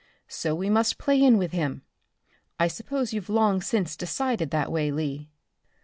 So we must play in with him. I suppose you've long since decided that way, Lee?"